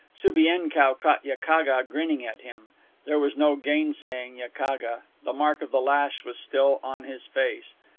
Subienkow caught Yakaga grinning at him. There was no gainsaying Yakaga. The mark of the lash was still on his face.